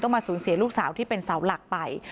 มาสูญเสียลูกสาวที่เป็นเสาหลักไป